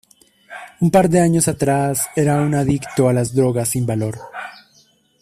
Un par de años atrás era un adicto a las drogas sin valor.